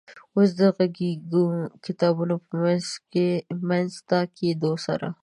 اوس د غږیزو کتابونو په رامنځ ته کېدو سره